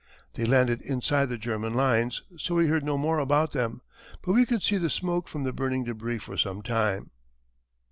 They landed inside the German lines so we heard no more about them. But we could see the smoke from the burning débris for some time.